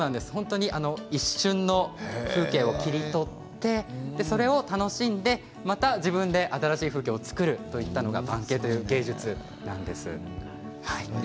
一瞬の風景を切り取ってそれを楽しんでまた自分で新しい風景を作るといったのが盤景という芸術なんです。